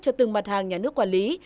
cho từng mặt hàng nhà nước quản lý